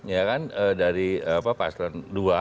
ya kan dari paslon dua